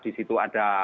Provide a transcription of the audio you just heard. di situ ada